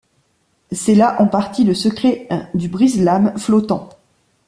C’est là, en partie, le secret du brise-lames flottant.